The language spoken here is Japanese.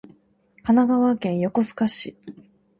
神奈川県横須賀市